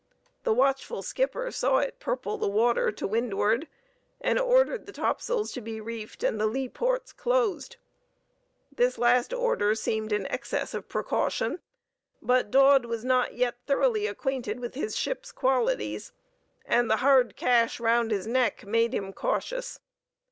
The watchful skipper saw it purple the water to windward, and ordered the topsails to be reefed and the lee ports closed. This last order seemed an excess of precaution; but Dodd was not yet thoroughly acquainted with his ship's qualities: and the hard cash round his neck made him cautious.